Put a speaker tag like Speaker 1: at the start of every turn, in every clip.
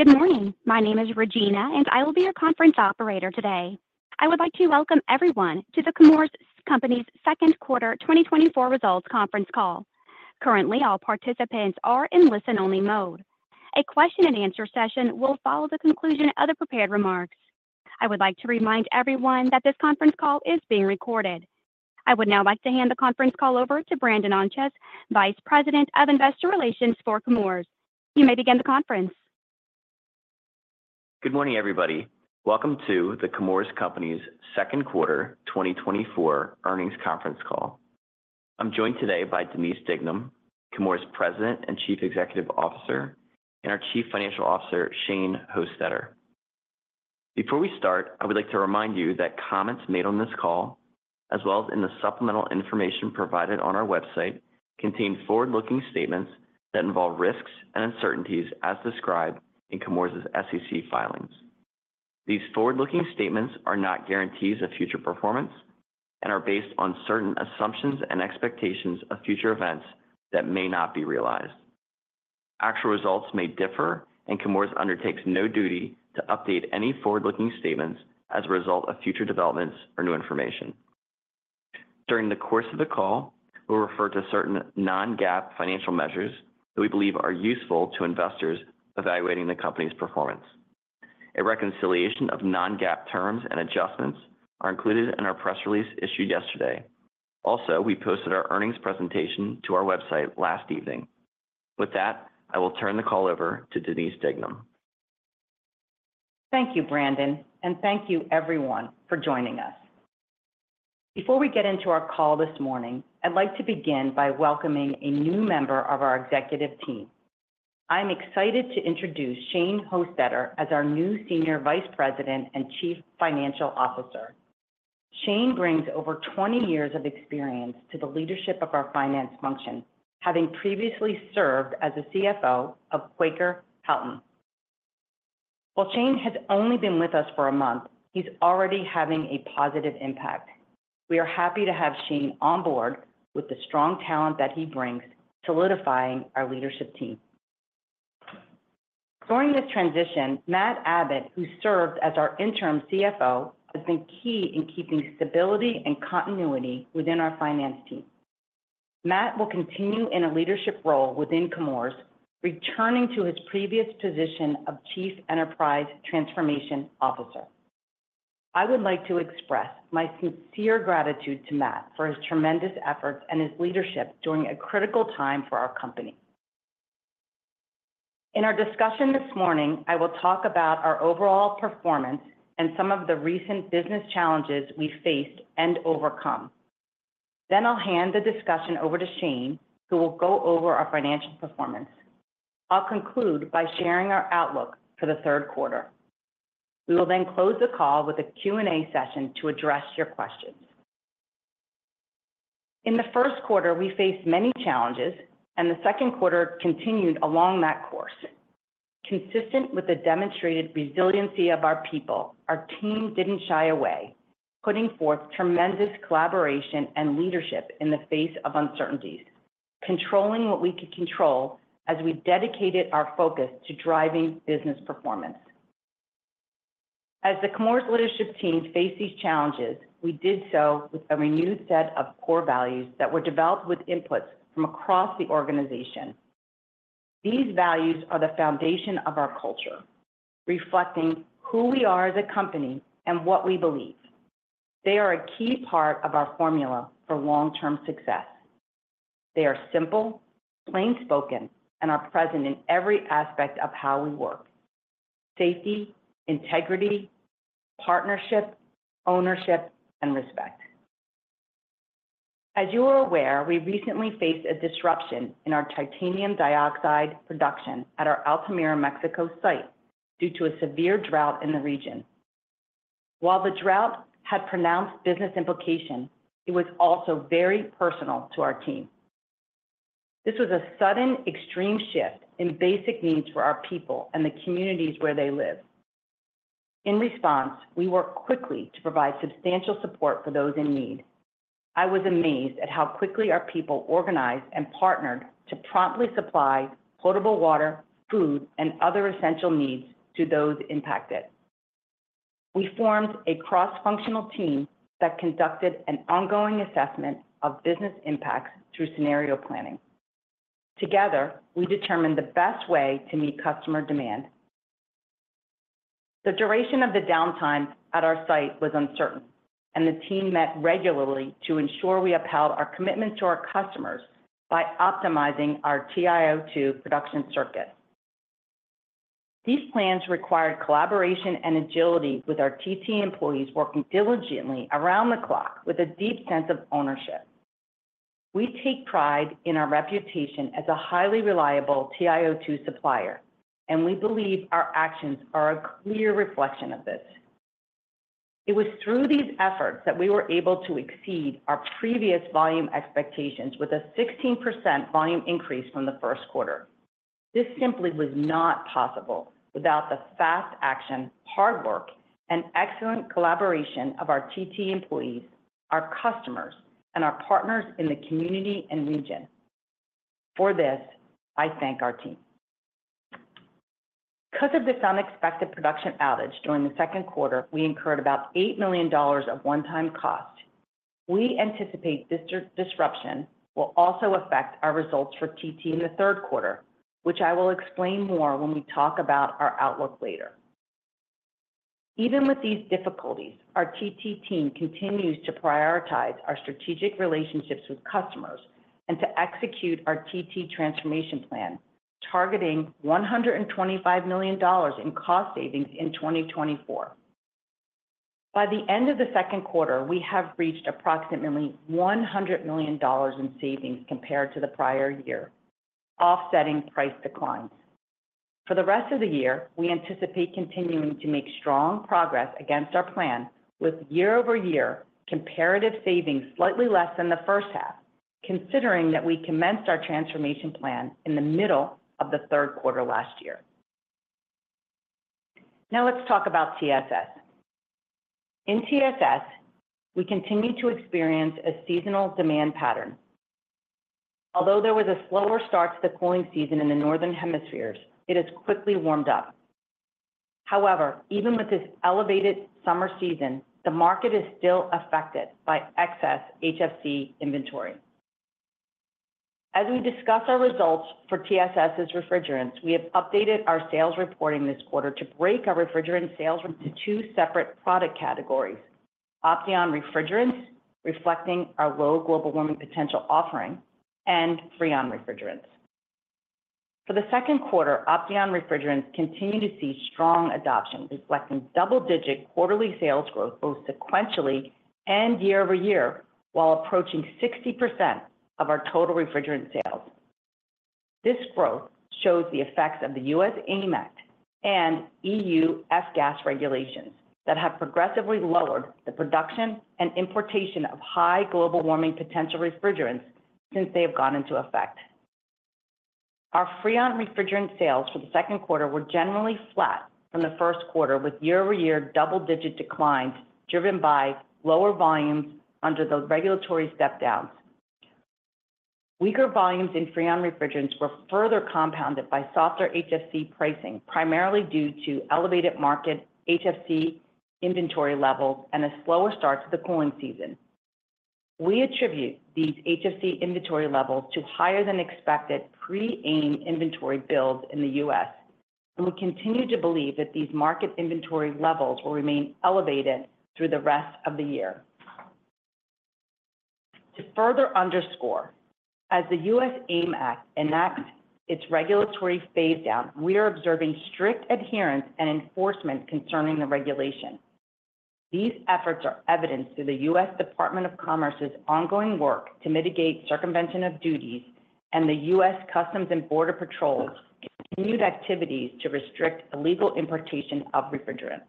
Speaker 1: Good morning. My name is Regina, and I will be your conference operator today. I would like to welcome everyone to the Chemours Company's Second Quarter 2024 Results Conference Call. Currently, all participants are in listen-only mode. A question and answer session will follow the conclusion of the prepared remarks. I would like to remind everyone that this conference call is being recorded. I would now like to hand the conference call over to Brandon Ontjes, Vice President of Investor Relations for Chemours. You may begin the conference.
Speaker 2: Good morning, everybody. Welcome to the Chemours Company's Second Quarter 2024 Earnings Conference Call. I'm joined today by Denise Dignam, Chemours' President and Chief Executive Officer, and our Chief Financial Officer, Shane Hostetter. Before we start, I would like to remind you that comments made on this call, as well as in the supplemental information provided on our website, contain forward-looking statements that involve risks and uncertainties as described in Chemours' SEC filings. These forward-looking statements are not guarantees of future performance and are based on certain assumptions and expectations of future events that may not be realized. Actual results may differ, and Chemours undertakes no duty to update any forward-looking statements as a result of future developments or new information. During the course of the call, we'll refer to certain non-GAAP financial measures that we believe are useful to investors evaluating the company's performance. A reconciliation of non-GAAP terms and adjustments are included in our press release issued yesterday. Also, we posted our earnings presentation to our website last evening. With that, I will turn the call over to Denise Dignam.
Speaker 3: Thank you, Brandon, and thank you everyone for joining us. Before we get into our call this morning, I'd like to begin by welcoming a new member of our executive team. I'm excited to introduce Shane Hostetter as our new Senior Vice President and Chief Financial Officer. Shane brings over 20 years of experience to the leadership of our finance function, having previously served as a CFO of Quaker Houghton. While Shane has only been with us for a month, he's already having a positive impact. We are happy to have Shane on board with the strong talent that he brings, solidifying our leadership team. During this transition, Matt Abbott, who served as our interim CFO, has been key in keeping stability and continuity within our finance team. Matt will continue in a leadership role within Chemours, returning to his previous position of Chief Enterprise Transformation Officer. I would like to express my sincere gratitude to Matt for his tremendous efforts and his leadership during a critical time for our company. In our discussion this morning, I will talk about our overall performance and some of the recent business challenges we faced and overcome. Then I'll hand the discussion over to Shane, who will go over our financial performance. I'll conclude by sharing our outlook for the third quarter. We will then close the call with a Q&A session to address your questions. In the first quarter, we faced many challenges, and the second quarter continued along that course. Consistent with the demonstrated resiliency of our people, our team didn't shy away, putting forth tremendous collaboration and leadership in the face of uncertainties, controlling what we could control as we dedicated our focus to driving business performance. As the Chemours leadership team faced these challenges, we did so with a renewed set of core values that were developed with inputs from across the organization. These values are the foundation of our culture, reflecting who we are as a company and what we believe. They are a key part of our formula for long-term success. They are simple, plainspoken, and are present in every aspect of how we work: safety, integrity, partnership, ownership, and respect. As you are aware, we recently faced a disruption in our titanium dioxide production at our Altamira, Mexico site due to a severe drought in the region. While the drought had pronounced business implications, it was also very personal to our team. This was a sudden, extreme shift in basic needs for our people and the communities where they live. In response, we worked quickly to provide substantial support for those in need. I was amazed at how quickly our people organized and partnered to promptly supply potable water, food, and other essential needs to those impacted. We formed a cross-functional team that conducted an ongoing assessment of business impacts through scenario planning. Together, we determined the best way to meet customer demand. The duration of the downtime at our site was uncertain, and the team met regularly to ensure we upheld our commitment to our customers by optimizing our TiO2 production circuit. These plans required collaboration and agility with our TT employees working diligently around the clock with a deep sense of ownership. We take pride in our reputation as a highly reliable TiO2 supplier, and we believe our actions are a clear reflection of this. It was through these efforts that we were able to exceed our previous volume expectations with a 16% volume increase from the first quarter. This simply was not possible without the fast action, hard work, and excellent collaboration of our TT employees, our customers, and our partners in the community and region. For this, I thank our team. Because of this unexpected production outage during the second quarter, we incurred about $8 million of one-time cost. We anticipate this disruption will also affect our results for TT in the third quarter, which I will explain more when we talk about our outlook later. Even with these difficulties, our TT team continues to prioritize our strategic relationships with customers and to execute our TT transformation plan, targeting $125 million in cost savings in 2024. By the end of the second quarter, we have reached approximately $100 million in savings compared to the prior year, offsetting price declines. For the rest of the year, we anticipate continuing to make strong progress against our plan with year-over-year comparative savings slightly less than the first half, considering that we commenced our transformation plan in the middle of the third quarter last year. Now let's talk about TSS. In TSS, we continue to experience a seasonal demand pattern. Although there was a slower start to the cooling season in the Northern Hemispheres, it has quickly warmed up. However, even with this elevated summer season, the market is still affected by excess HFC inventory. As we discuss our results for TSS's refrigerants, we have updated our sales reporting this quarter to break our refrigerant sales into two separate product categories: Opteon refrigerants, reflecting our low global warming potential offering, and Freon refrigerants. For the second quarter, Opteon refrigerants continue to see strong adoption, reflecting double-digit quarterly sales growth, both sequentially and year-over-year, while approaching 60% of our total refrigerant sales. This growth shows the effects of the U.S. AIM Act and EU F-gas regulations that have progressively lowered the production and importation of high global warming potential refrigerants since they have gone into effect. Our Freon refrigerant sales for the second quarter were generally flat from the first quarter, with year-over-year double-digit declines, driven by lower volumes under the regulatory step downs. Weaker volumes in Freon refrigerants were further compounded by softer HFC pricing, primarily due to elevated market HFC inventory levels and a slower start to the cooling season. We attribute these HFC inventory levels to higher than expected pre-AIM inventory builds in the U.S., and we continue to believe that these market inventory levels will remain elevated through the rest of the year. To further underscore, as the U.S. AIM Act enacts its regulatory phase down, we are observing strict adherence and enforcement concerning the regulation. These efforts are evidenced through the U.S. Department of Commerce's ongoing work to mitigate circumvention of duties and the U.S. Customs and Border Protection's continued activities to restrict illegal importation of refrigerant.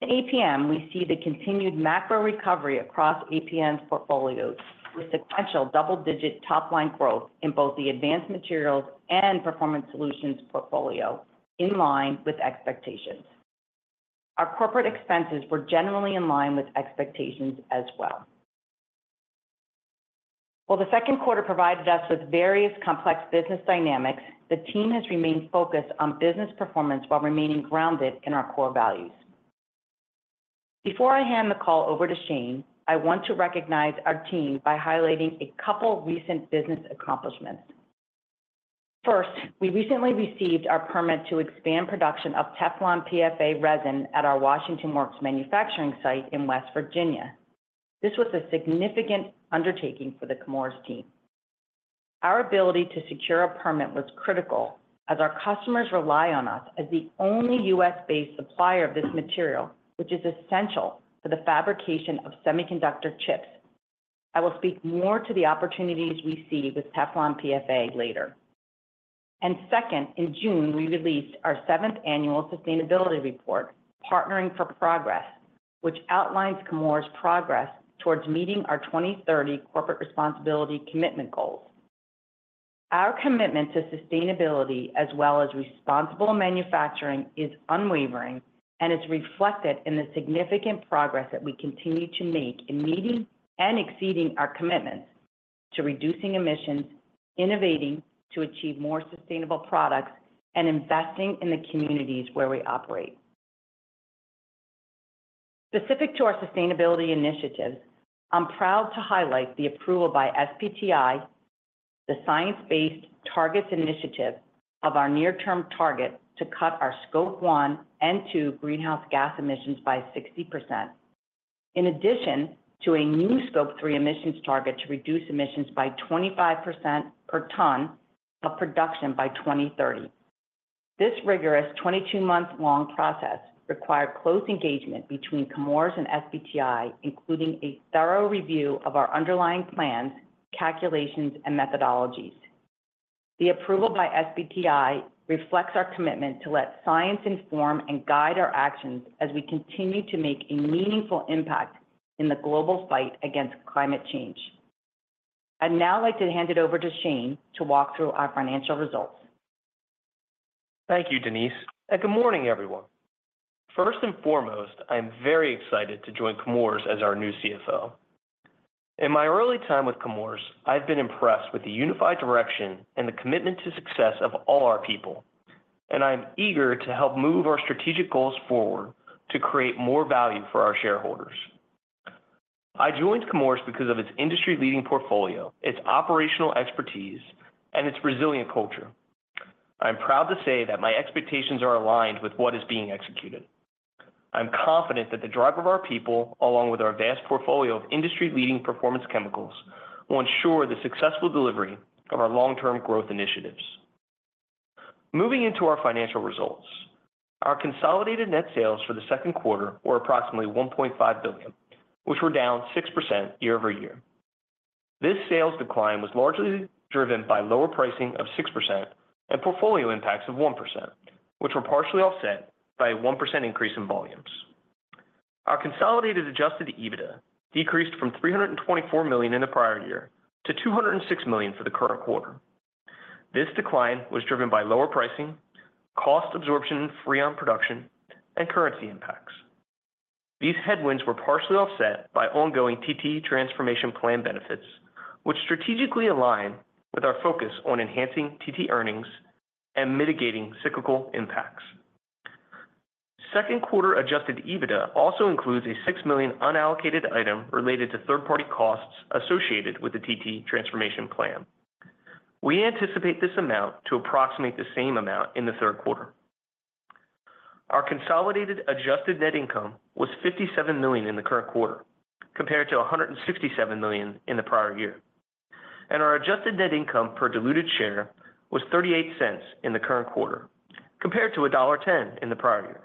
Speaker 3: In APM, we see the continued macro recovery across APM's portfolios, with sequential double-digit top-line growth in both the Advanced Materials and Performance Solutions portfolio, in line with expectations. Our corporate expenses were generally in line with expectations as well. While the second quarter provided us with various complex business dynamics, the team has remained focused on business performance while remaining grounded in our core values. Before I hand the call over to Shane, I want to recognize our team by highlighting a couple recent business accomplishments. First, we recently received our permit to expand production of Teflon PFA resin at our Washington Works manufacturing site in West Virginia. This was a significant undertaking for the Chemours team. Our ability to secure a permit was critical as our customers rely on us as the only U.S.-based supplier of this material, which is essential for the fabrication of semiconductor chips. I will speak more to the opportunities we see with Teflon PFA later. Second, in June, we released our seventh annual sustainability report, Partnering for Progress, which outlines Chemours' progress towards meeting our 2030 corporate responsibility commitment goals. Our commitment to sustainability, as well as responsible manufacturing, is unwavering and is reflected in the significant progress that we continue to make in meeting and exceeding our commitments to reducing emissions, innovating to achieve more sustainable products, and investing in the communities where we operate. Specific to our sustainability initiatives, I'm proud to highlight the approval by SBTi, the Science Based Targets initiative, of our near-term target to cut our Scope 1 and 2 greenhouse gas emissions by 60%. In addition to a new Scope 3 emissions target to reduce emissions by 25% per ton of production by 2030. This rigorous 22-month-long process required close engagement between Chemours and SBTi, including a thorough review of our underlying plans, calculations, and methodologies. The approval by SBTi reflects our commitment to let science inform and guide our actions as we continue to make a meaningful impact in the global fight against climate change. I'd now like to hand it over to Shane to walk through our financial results.
Speaker 4: Thank you, Denise, and good morning, everyone. First and foremost, I am very excited to join Chemours as our new CFO. In my early time with Chemours, I've been impressed with the unified direction and the commitment to success of all our people, and I'm eager to help move our strategic goals forward to create more value for our shareholders. I joined Chemours because of its industry-leading portfolio, its operational expertise, and its resilient culture. I'm proud to say that my expectations are aligned with what is being executed. I'm confident that the drive of our people, along with our vast portfolio of industry-leading performance chemicals, will ensure the successful delivery of our long-term growth initiatives. Moving into our financial results. Our consolidated net sales for the second quarter were approximately $1.5 billion, which were down 6% year-over-year. This sales decline was largely driven by lower pricing of 6% and portfolio impacts of 1%, which were partially offset by a 1% increase in volumes. Our consolidated adjusted EBITDA decreased from $324 million in the prior year to $206 million for the current quarter. This decline was driven by lower pricing, cost absorption in Freon production, and currency impacts. These headwinds were partially offset by ongoing TT transformation plan benefits, which strategically align with our focus on enhancing TT earnings and mitigating cyclical impacts. Second quarter adjusted EBITDA also includes a $6 million unallocated item related to third-party costs associated with the TT transformation plan. We anticipate this amount to approximate the same amount in the third quarter. Our consolidated adjusted net income was $57 million in the current quarter, compared to $167 million in the prior year, and our adjusted net income per diluted share was $0.38 in the current quarter, compared to $1.10 in the prior year.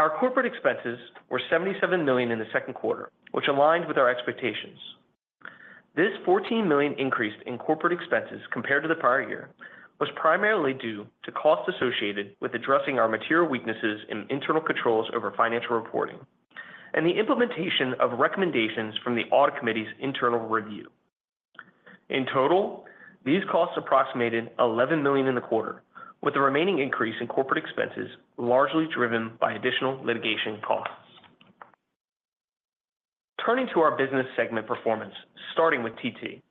Speaker 4: Our corporate expenses were $77 million in the second quarter, which aligned with our expectations. This $14 million increase in corporate expenses compared to the prior year, was primarily due to costs associated with addressing our material weaknesses in internal controls over financial reporting and the implementation of recommendations from the Audit Committee's internal review. In total, these costs approximated $11 million in the quarter, with the remaining increase in corporate expenses, largely driven by additional litigation costs. Turning to our business segment performance, starting with TT.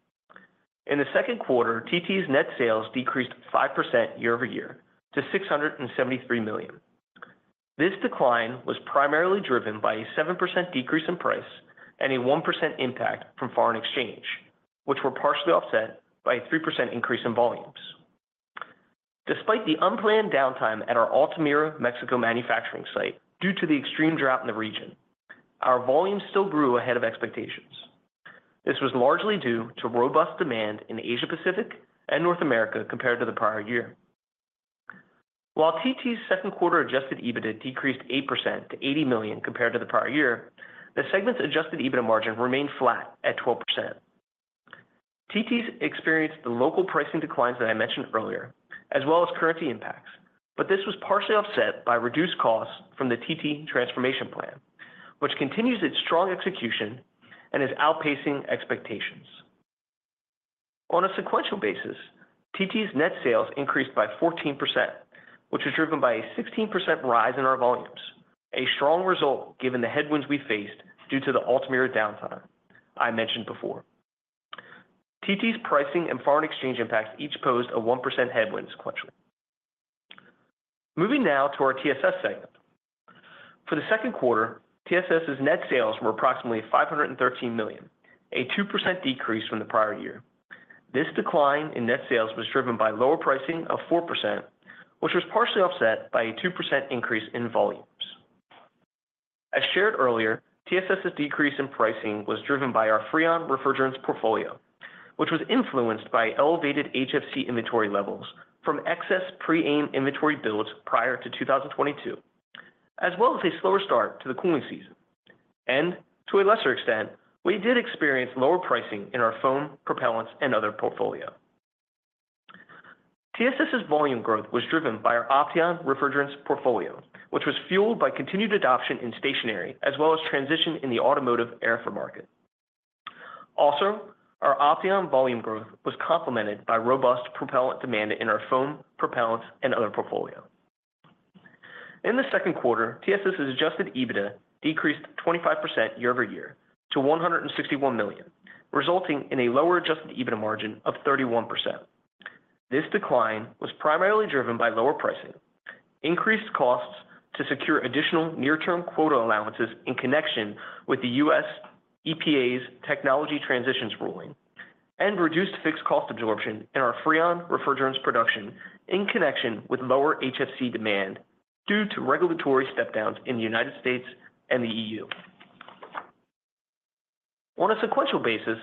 Speaker 4: In the second quarter, TT's net sales decreased 5% year-over-year to $673 million. This decline was primarily driven by a 7% decrease in price and a 1% impact from foreign exchange, which were partially offset by a 3% increase in volumes. Despite the unplanned downtime at our Altamira, Mexico, manufacturing site, due to the extreme drought in the region, our volumes still grew ahead of expectations. This was largely due to robust demand in Asia Pacific and North America compared to the prior year. While TT's second quarter adjusted EBITDA decreased 8% to $80 million compared to the prior year, the segment's adjusted EBITDA margin remained flat at 12%. TT's experienced the local pricing declines that I mentioned earlier, as well as currency impacts, but this was partially offset by reduced costs from the TT transformation plan, which continues its strong execution and is outpacing expectations. On a sequential basis, TT's net sales increased by 14%, which was driven by a 16% rise in our volumes. A strong result given the headwinds we faced due to the Altamira downtime I mentioned before. TT's pricing and foreign exchange impacts each posed a 1% headwinds sequentially. Moving now to our TSS segment. For the second quarter, TSS's net sales were approximately $513 million, a 2% decrease from the prior year. This decline in net sales was driven by lower pricing of 4%, which was partially offset by a 2% increase in volumes. As shared earlier, TSS's decrease in pricing was driven by our Freon refrigerants portfolio, which was influenced by elevated HFC inventory levels from excess pre-AIM inventory builds prior to 2022, as well as a slower start to the cooling season. To a lesser extent, we did experience lower pricing in our foam, propellants, and other portfolio. TSS's volume growth was driven by our Opteon refrigerants portfolio, which was fueled by continued adoption in stationary as well as transition in the automotive aftermarket. Also, our Opteon volume growth was complemented by robust propellant demand in our foam, propellants, and other portfolio. In the second quarter, TSS's adjusted EBITDA decreased 25% year-over-year to $161 million, resulting in a lower adjusted EBITDA margin of 31%. This decline was primarily driven by lower pricing, increased costs to secure additional near-term quota allowances in connection with the U.S. EPA's Technology Transitions ruling, and reduced fixed cost absorption in our Freon refrigerants production in connection with lower HFC demand due to regulatory step downs in the United States and the EU. On a sequential basis,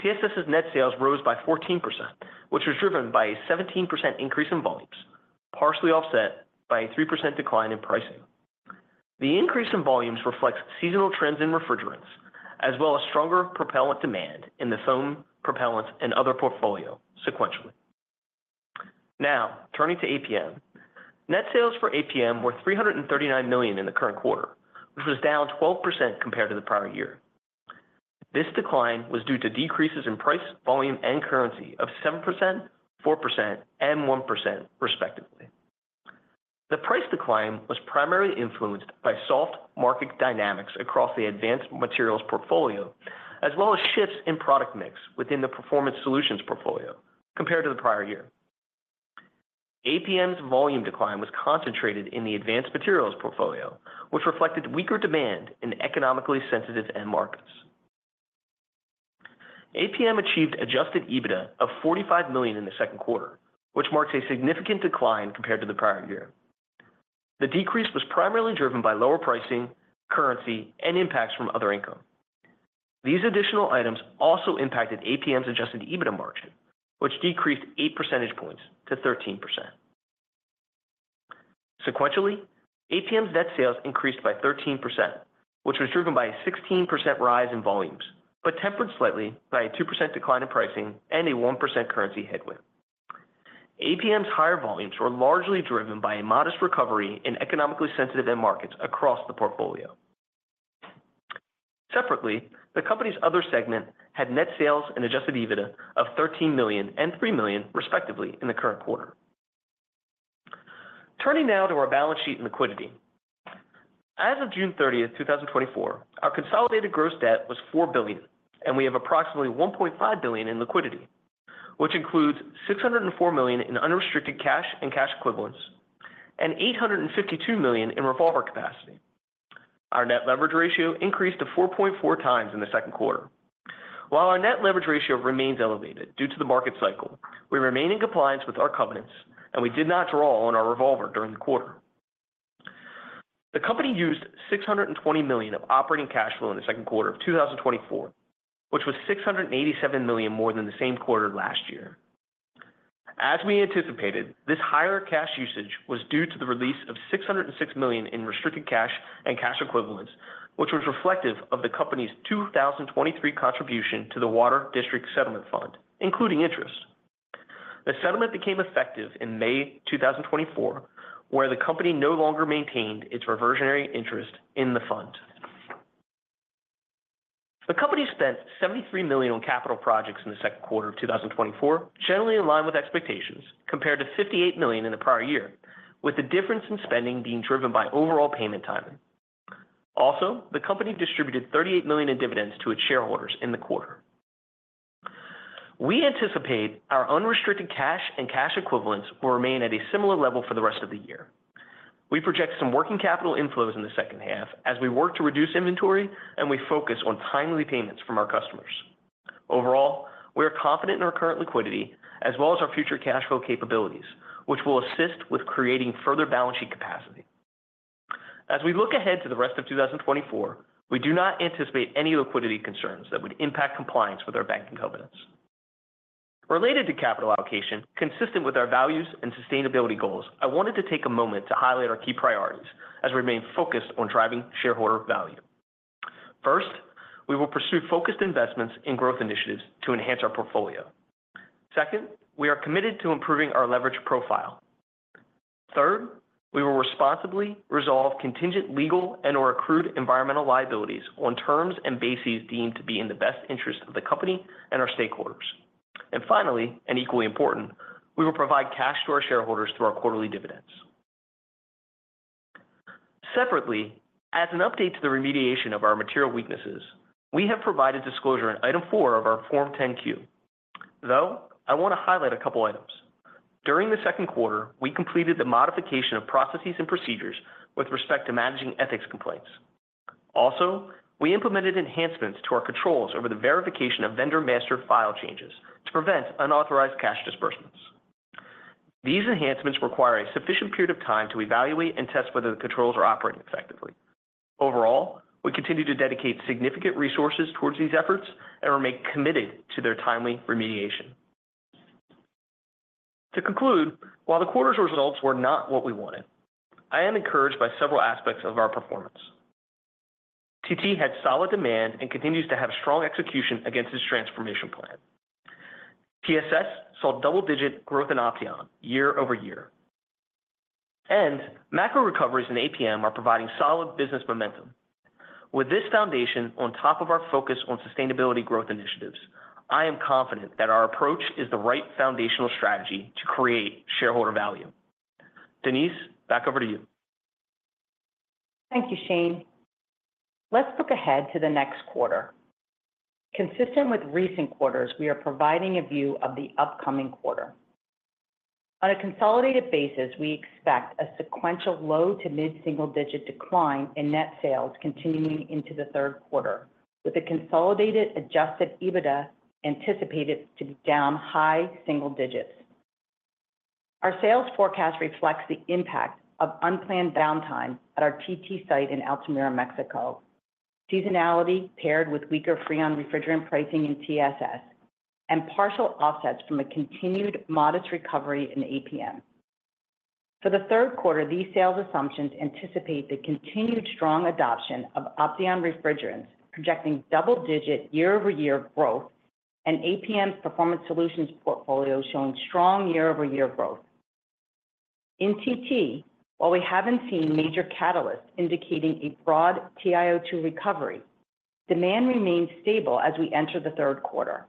Speaker 4: TSS's net sales rose by 14%, which was driven by a 17% increase in volumes, partially offset by a 3% decline in pricing. The increase in volumes reflects seasonal trends in refrigerants, as well as stronger propellant demand in the foam, propellants, and other portfolio sequentially. Now, turning to APM. Net sales for APM were $339 million in the current quarter, which was down 12% compared to the prior year. This decline was due to decreases in price, volume, and currency of 7%, 4%, and 1% respectively. The price decline was primarily influenced by soft market dynamics across the Advanced Materials portfolio, as well as shifts in product mix within the Performance Solutions portfolio compared to the prior year. APM's volume decline was concentrated in the Advanced Materials portfolio, which reflected weaker demand in economically sensitive end markets. APM achieved adjusted EBITDA of $45 million in the second quarter, which marks a significant decline compared to the prior year. The decrease was primarily driven by lower pricing, currency, and impacts from other income. These additional items also impacted APM's adjusted EBITDA margin, which decreased 8 percentage points to 13%. Sequentially, APM's net sales increased by 13%, which was driven by a 16% rise in volumes, but tempered slightly by a 2% decline in pricing and a 1% currency headwind. APM's higher volumes were largely driven by a modest recovery in economically sensitive end markets across the portfolio. Separately, the company's other segment had net sales and adjusted EBITDA of $13 million and $3 million, respectively, in the current quarter. Turning now to our balance sheet and liquidity. As of June 30, 2024, our consolidated gross debt was $4 billion, and we have approximately $1.5 billion in liquidity, which includes $604 million in unrestricted cash and cash equivalents and $852 million in revolver capacity. Our net leverage ratio increased to 4.4x in the second quarter. While our net leverage ratio remains elevated due to the market cycle, we remain in compliance with our covenants, and we did not draw on our revolver during the quarter. The company used $620 million of operating cash flow in the second quarter of 2024, which was $687 million more than the same quarter last year. As we anticipated, this higher cash usage was due to the release of $606 million in restricted cash and cash equivalents, which was reflective of the company's 2023 contribution to the Water District Settlement Fund, including interest. The settlement became effective in May 2024, where the company no longer maintained its reversionary interest in the fund. The company spent $73 million on capital projects in the second quarter of 2024, generally in line with expectations, compared to $58 million in the prior year, with the difference in spending being driven by overall payment timing. Also, the company distributed $38 million in dividends to its shareholders in the quarter. We anticipate our unrestricted cash and cash equivalents will remain at a similar level for the rest of the year. We project some working capital inflows in the second half as we work to reduce inventory and we focus on timely payments from our customers. Overall, we are confident in our current liquidity as well as our future cash flow capabilities, which will assist with creating further balance sheet capacity. As we look ahead to the rest of 2024, we do not anticipate any liquidity concerns that would impact compliance with our banking covenants. Related to capital allocation, consistent with our values and sustainability goals, I wanted to take a moment to highlight our key priorities as we remain focused on driving shareholder value. First, we will pursue focused investments in growth initiatives to enhance our portfolio. Second, we are committed to improving our leverage profile. Third, we will responsibly resolve contingent, legal, and/or accrued environmental liabilities on terms and bases deemed to be in the best interest of the company and our stakeholders. And finally, and equally important, we will provide cash to our shareholders through our quarterly dividends. Separately, as an update to the remediation of our material weaknesses, we have provided disclosure in Item 4 of our Form 10-Q, though I want to highlight a couple items. During the second quarter, we completed the modification of processes and procedures with respect to managing ethics complaints. Also, we implemented enhancements to our controls over the verification of vendor master file changes to prevent unauthorized cash disbursements. These enhancements require a sufficient period of time to evaluate and test whether the controls are operating effectively. Overall, we continue to dedicate significant resources towards these efforts and remain committed to their timely remediation. To conclude, while the quarter's results were not what we wanted, I am encouraged by several aspects of our performance. TT had solid demand and continues to have strong execution against its transformation plan. TSS saw double-digit growth in Opteon year-over-year, and macro recoveries in APM are providing solid business momentum. With this foundation on top of our focus on sustainability growth initiatives, I am confident that our approach is the right foundational strategy to create shareholder value. Denise, back over to you.
Speaker 3: Thank you, Shane. Let's look ahead to the next quarter. Consistent with recent quarters, we are providing a view of the upcoming quarter. On a consolidated basis, we expect a sequential low- to mid-single-digit decline in net sales continuing into the third quarter, with a consolidated adjusted EBITDA anticipated to be down high single digits. Our sales forecast reflects the impact of unplanned downtime at our TT site in Altamira, Mexico, seasonality paired with weaker Freon refrigerant pricing in TSS, and partial offsets from a continued modest recovery in APM. For the third quarter, these sales assumptions anticipate the continued strong adoption of Opteon refrigerants, projecting double-digit year-over-year growth and APM's Performance Solutions portfolio showing strong year-over-year growth. In TT, while we haven't seen major catalysts indicating a broad TiO2 recovery, demand remains stable as we enter the third quarter.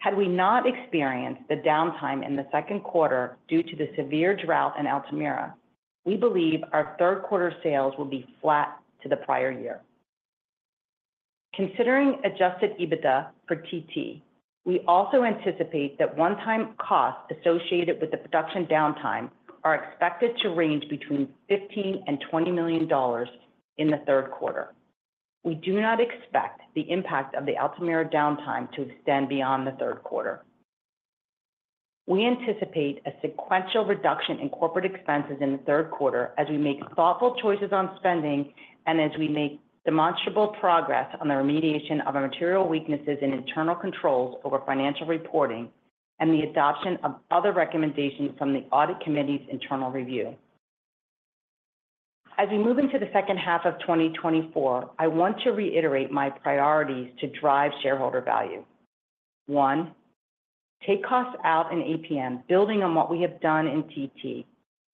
Speaker 3: Had we not experienced the downtime in the second quarter due to the severe drought in Altamira, we believe our third quarter sales will be flat to the prior year. Considering adjusted EBITDA for TT, we also anticipate that one-time costs associated with the production downtime are expected to range between $15 million and $20 million in the third quarter. We do not expect the impact of the Altamira downtime to extend beyond the third quarter. We anticipate a sequential reduction in corporate expenses in the third quarter as we make thoughtful choices on spending and as we make demonstrable progress on the remediation of our material weaknesses in internal controls over financial reporting and the adoption of other recommendations from the Audit Committee's internal review. As we move into the second half of 2024, I want to reiterate my priorities to drive shareholder value. One, take costs out in APM, building on what we have done in TT,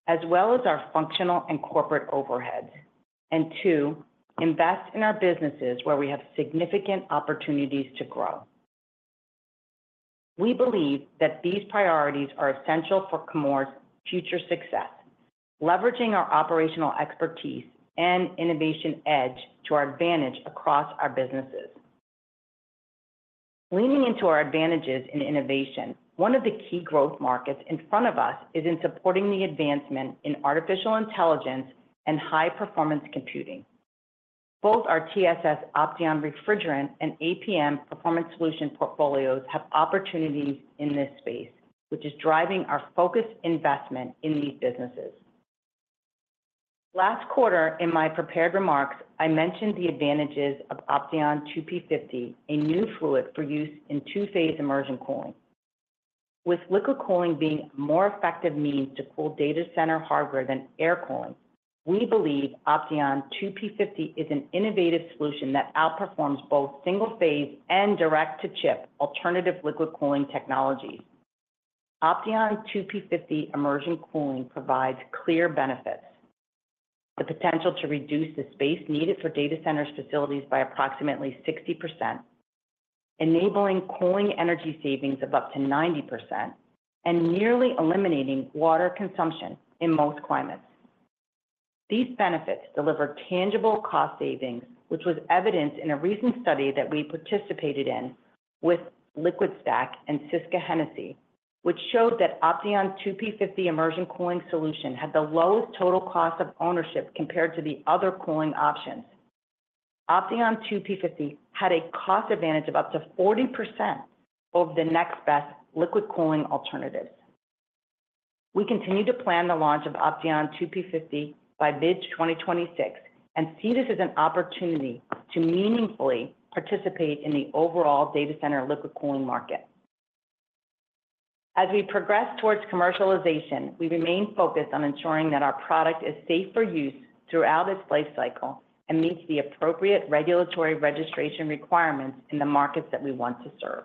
Speaker 3: as well as our functional and corporate overheads. And two, invest in our businesses where we have significant opportunities to grow. We believe that these priorities are essential for Chemours' future success, leveraging our operational expertise and innovation edge to our advantage across our businesses. Leaning into our advantages in innovation, one of the key growth markets in front of us is in supporting the advancement in artificial intelligence and high-performance computing. Both our TSS Opteon refrigerant and APM Performance Solution portfolios have opportunities in this space, which is driving our focused investment in these businesses. Last quarter, in my prepared remarks, I mentioned the advantages of Opteon 2P50, a new fluid for use in two-phase immersion cooling. With liquid cooling being a more effective means to cool data center hardware than air cooling, we believe Opteon 2P50 is an innovative solution that outperforms both single-phase and direct to chip alternative liquid cooling technologies. Opteon 2P50 immersion cooling provides clear benefits: the potential to reduce the space needed for data centers facilities by approximately 60%, enabling cooling energy savings of up to 90%, and nearly eliminating water consumption in most climates. These benefits deliver tangible cost savings, which was evidenced in a recent study that we participated in with LiquidStack and Syska Hennessy, which showed that Opteon 2P50 immersion cooling solution had the lowest total cost of ownership compared to the other cooling options. Opteon 2P50 had a cost advantage of up to 40% over the next best liquid cooling alternatives. We continue to plan the launch of Opteon 2P50 by mid-2026 and see this as an opportunity to meaningfully participate in the overall data center liquid cooling market. As we progress towards commercialization, we remain focused on ensuring that our product is safe for use throughout its life cycle and meets the appropriate regulatory registration requirements in the markets that we want to serve.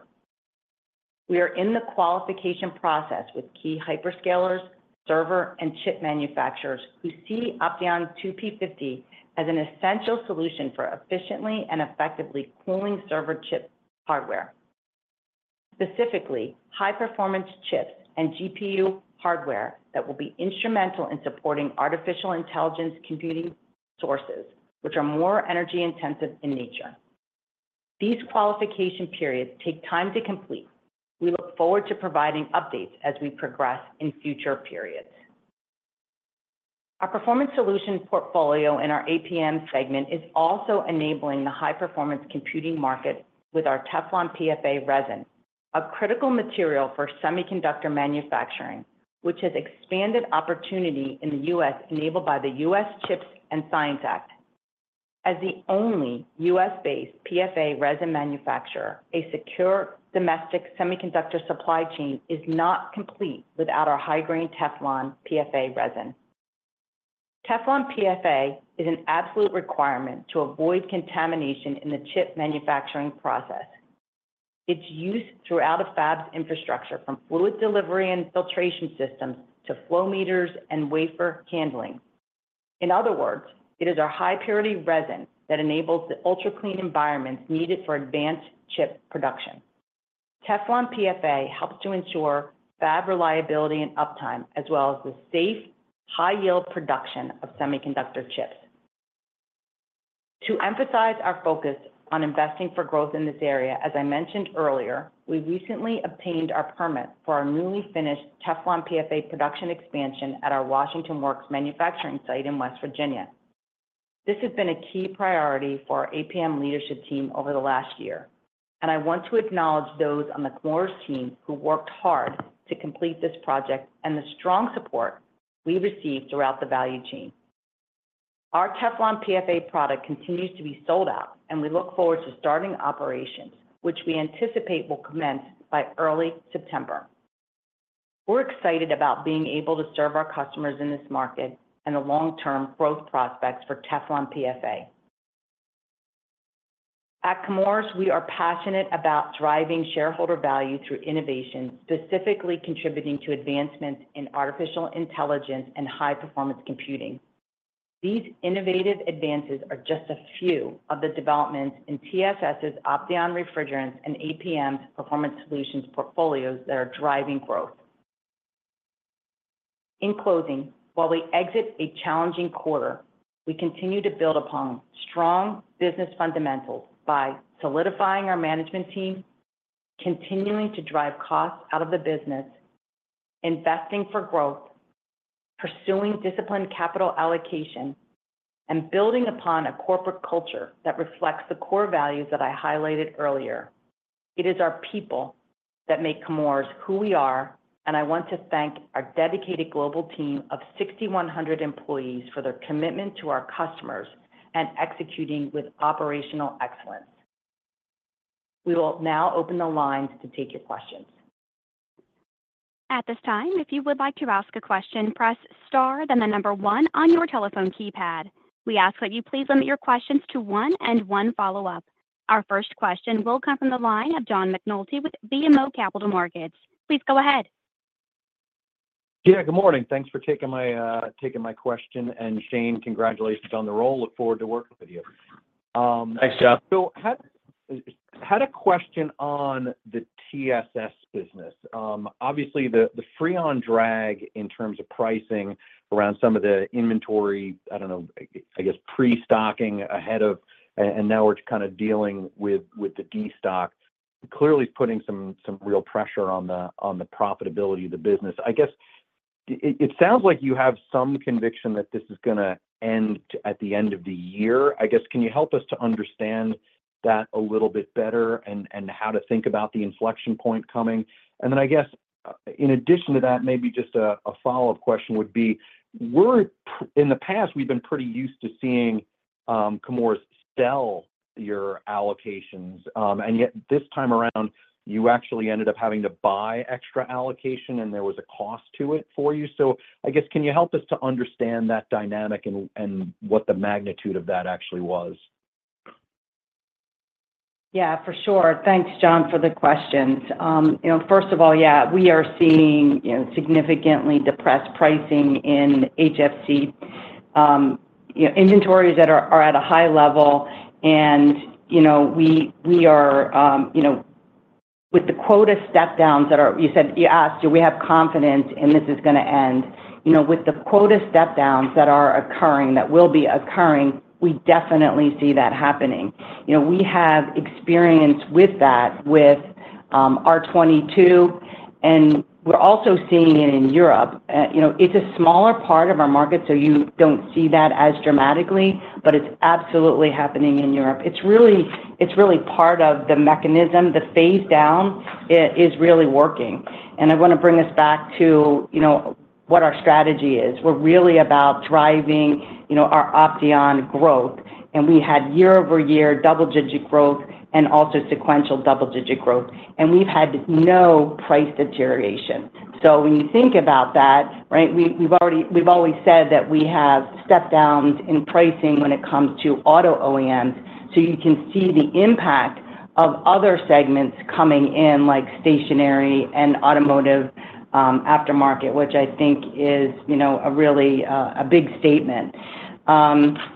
Speaker 3: We are in the qualification process with key hyperscalers, server, and chip manufacturers who see Opteon 2P50 as an essential solution for efficiently and effectively cooling server chip hardware. Specifically, high-performance chips and GPU hardware that will be instrumental in supporting artificial intelligence computing sources, which are more energy-intensive in nature. These qualification periods take time to complete. We look forward to providing updates as we progress in future periods. Our Performance Solutions portfolio in our APM segment is also enabling the high-performance computing market with our Teflon PFA resin, a critical material for semiconductor manufacturing, which has expanded opportunity in the U.S., enabled by the U.S. CHIPS and Science Act. As the only U.S.-based PFA resin manufacturer, a secure domestic semiconductor supply chain is not complete without our high-purity Teflon PFA resin. Teflon PFA is an absolute requirement to avoid contamination in the chip manufacturing process. It's used throughout a fab's infrastructure, from fluid delivery and filtration systems to flow meters and wafer handling. In other words, it is our high-purity resin that enables the ultra-clean environments needed for advanced chip production. Teflon PFA helps to ensure fab reliability and uptime, as well as the safe, high-yield production of semiconductor chips. To emphasize our focus on investing for growth in this area, as I mentioned earlier, we recently obtained our permit for our newly finished Teflon PFA production expansion at our Washington Works manufacturing site in West Virginia. This has been a key priority for our APM leadership team over the last year, and I want to acknowledge those on the Chemours team who worked hard to complete this project and the strong support we received throughout the value chain. Our Teflon PFA product continues to be sold out, and we look forward to starting operations, which we anticipate will commence by early September. We're excited about being able to serve our customers in this market and the long-term growth prospects for Teflon PFA. At Chemours, we are passionate about driving shareholder value through innovation, specifically contributing to advancements in artificial intelligence and high-performance computing. These innovative advances are just a few of the developments in TSS's Opteon refrigerants and APM's Performance Solutions portfolios that are driving growth. In closing, while we exit a challenging quarter, we continue to build upon strong business fundamentals by solidifying our management team, continuing to drive costs out of the business, investing for growth, pursuing disciplined capital allocation, and building upon a corporate culture that reflects the core values that I highlighted earlier. It is our people that make Chemours who we are, and I want to thank our dedicated global team of 6,100 employees for their commitment to our customers and executing with operational excellence. We will now open the lines to take your questions.
Speaker 1: At this time, if you would like to ask a question, press star, then the number one on your telephone keypad. We ask that you please limit your questions to one and one follow-up. Our first question will come from the line of John McNulty with BMO Capital Markets. Please go ahead.
Speaker 5: Yeah, good morning. Thanks for taking my question, and Shane, congratulations on the role. Look forward to working with you.
Speaker 4: Thanks, John.
Speaker 5: So had a question on the TSS business. Obviously, the Freon drag in terms of pricing around some of the inventory, I don't know, I guess, pre-stocking ahead of. And now we're kind of dealing with the destock, clearly putting some real pressure on the profitability of the business. I guess, it sounds like you have some conviction that this is gonna end at the end of the year. I guess, can you help us to understand that a little bit better and how to think about the inflection point coming? And then, I guess, in addition to that, maybe just a follow-up question would be: In the past, we've been pretty used to seeing Chemours sell your allocations, and yet this time around, you actually ended up having to buy extra allocation, and there was a cost to it for you. So I guess, can you help us to understand that dynamic and what the magnitude of that actually was?
Speaker 3: Yeah, for sure. Thanks, John, for the questions. You know, first of all, yeah, we are seeing, you know, significantly depressed pricing in HFC. You know, inventories that are at a high level and, you know, we are with the quota step downs that are, you said, you asked, do we have confidence, and this is gonna end? You know, with the quota step downs that are occurring, that will be occurring, we definitely see that happening. You know, we have experience with that with R-22, and we're also seeing it in Europe. You know, it's a smaller part of our market, so you don't see that as dramatically, but it's absolutely happening in Europe. It's really part of the mechanism. The phase down is really working. And I want to bring us back to, you know, what our strategy is. We're really about driving, you know, our Opteon growth, and we had year-over-year double-digit growth and also sequential double-digit growth, and we've had no price deterioration. So when you think about that, right, we've already. We've always said that we have step downs in pricing when it comes to auto OEMs, so you can see the impact of other segments coming in, like stationary and automotive aftermarket, which I think is, you know, a really big statement. Let's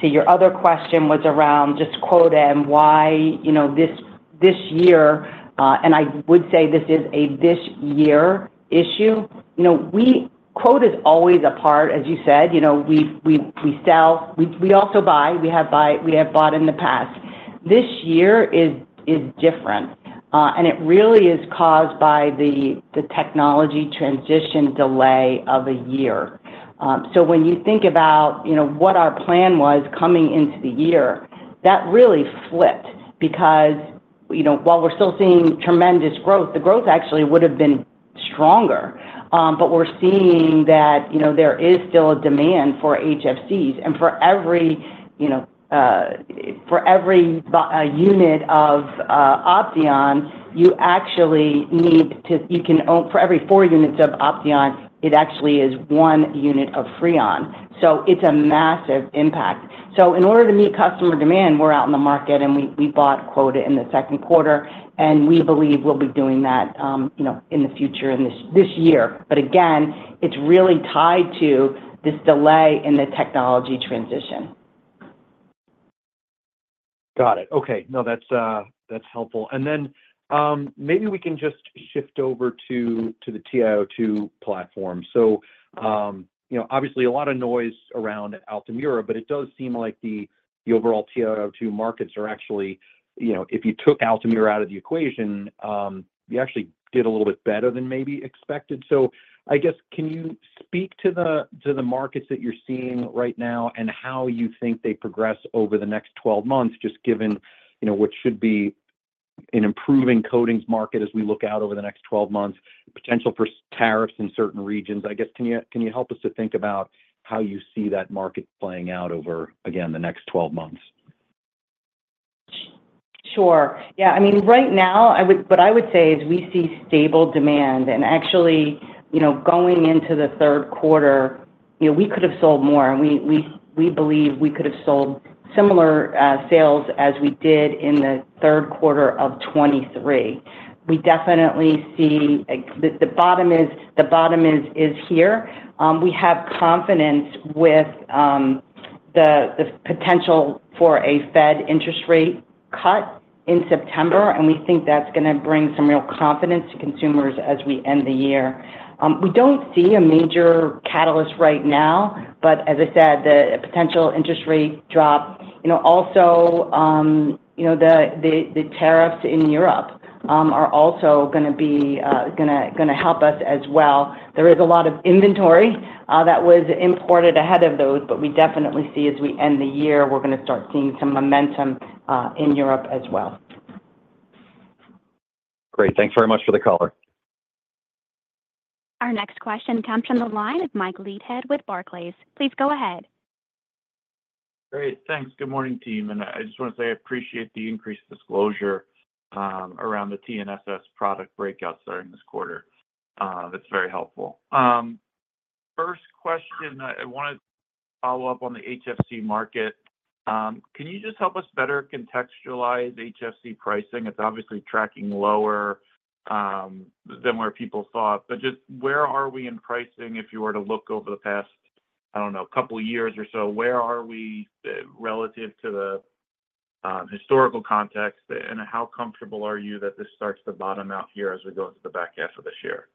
Speaker 3: see, your other question was around just quota and why, you know, this year, and I would say this is a this year issue. You know, quota's always a part, as you said, you know, we sell. We also buy. We have bought in the past. This year is different, and it really is caused by the technology transition delay of a year. So when you think about, you know, what our plan was coming into the year, that really flipped because, you know, while we're still seeing tremendous growth, the growth actually would've been stronger. But we're seeing that, you know, there is still a demand for HFCs and for every, you know, for every unit of Opteon, you actually need for every four units of Opteon, it actually is one unit of Freon, so it's a massive impact. So in order to meet customer demand, we're out in the market, and we bought quota in the second quarter, and we believe we'll be doing that, you know, in the future, in this year. But again, it's really tied to this delay in the technology transition.
Speaker 5: Got it. Okay. No, that's, that's helpful. And then, maybe we can just shift over to, to the TiO2 platform. So, you know, obviously, a lot of noise around Altamira, but it does seem like the, the overall TiO2 markets are actually, you know, if you took Altamira out of the equation, you actually did a little bit better than maybe expected. So I guess, can you speak to the, to the markets that you're seeing right now and how you think they progress over the next 12 months, just given, you know, what should be an improving coatings market as we look out over the next 12 months, potential for tariffs in certain regions? I guess, can you, can you help us to think about how you see that market playing out over, again, the next 12 months?
Speaker 3: Sure. Yeah. I mean, right now, I would, what I would say is we see stable demand, and actually, you know, going into the third quarter. You know, we could have sold more, and we believe we could have sold similar sales as we did in the third quarter of 2023. We definitely see, like, the bottom is here. We have confidence with the potential for a Fed interest rate cut in September, and we think that's gonna bring some real confidence to consumers as we end the year. We don't see a major catalyst right now, but as I said, the potential interest rate drop, you know, also, you know, the tariffs in Europe are also gonna help us as well. There is a lot of inventory that was imported ahead of those, but we definitely see as we end the year, we're gonna start seeing some momentum in Europe as well.
Speaker 5: Great. Thanks very much for the color.
Speaker 1: Our next question comes from the line of Michael Leithead with Barclays. Please go ahead.
Speaker 6: Great, thanks. Good morning, team, and I just wanna say I appreciate the increased disclosure around the TNSS product breakouts during this quarter. That's very helpful. First question, I wanna follow up on the HFC market. Can you just help us better contextualize HFC pricing? It's obviously tracking lower than where people thought. But just where are we in pricing if you were to look over the past couple years or so, where are we relative to the historical context, and how comfortable are you that this starts to bottom out here as we go into the back half of this year?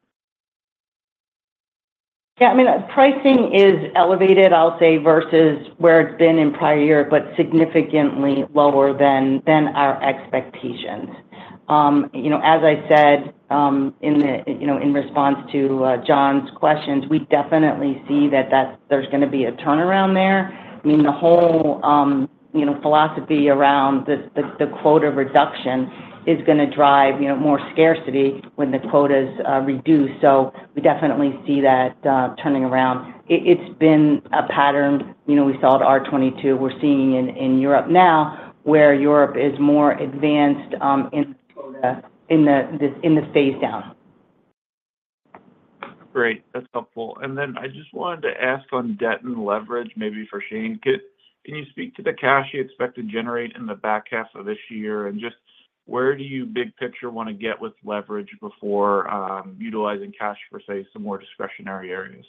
Speaker 3: Yeah, I mean, pricing is elevated, I'll say, versus where it's been in prior year, but significantly lower than our expectations. You know, as I said, in response to John's questions, we definitely see that there's gonna be a turnaround there. I mean, the whole philosophy around the quota reduction is gonna drive more scarcity when the quota's reduced. So we definitely see that turning around. It's been a pattern, you know, we saw at R-22. We're seeing in Europe now, where Europe is more advanced in quota, in the phase down.
Speaker 6: Great. That's helpful. And then I just wanted to ask on debt and leverage, maybe for Shane. Can you speak to the cash you expect to generate in the back half of this year? And just where do you, big picture, wanna get with leverage before utilizing cash for, say, some more discretionary areas?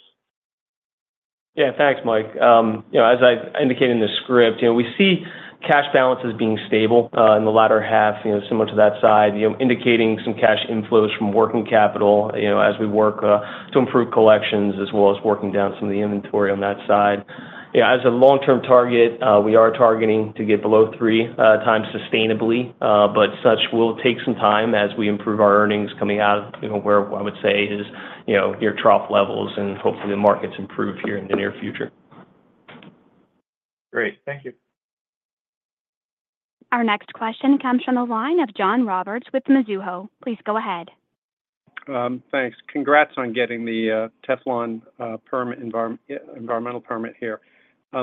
Speaker 4: Yeah. Thanks, Mike. You know, as I indicated in the script, you know, we see cash balances being stable, in the latter half, you know, similar to that side, you know, indicating some cash inflows from working capital, you know, as we work, to improve collections, as well as working down some of the inventory on that side. Yeah, as a long-term target, we are targeting to get below 3x sustainably, but such will take some time as we improve our earnings coming out, you know, where I would say is, you know, near trough levels, and hopefully the markets improve here in the near future.
Speaker 6: Great. Thank you.
Speaker 1: Our next question comes from the line of John Roberts with Mizuho. Please go ahead.
Speaker 7: Thanks. Congrats on getting the Teflon environmental permit here.